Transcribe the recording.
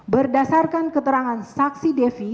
berdasarkan keterangan saksi devi